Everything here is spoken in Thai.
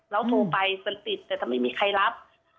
เราโทรไปต้องติดแต่ทำไมไม่มีใครรับ